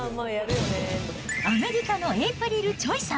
アメリカのエイプリル・チョイさん。